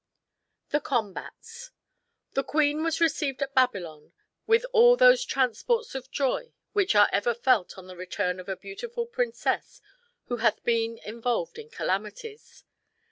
THE COMBATS The queen was received at Babylon with all those transports of joy which are ever felt on the return of a beautiful princess who hath been involved in calamities.